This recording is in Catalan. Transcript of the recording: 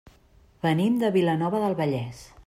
Venim de Vilanova del Vallès.